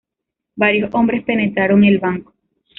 Varios hombres penetraron el banco.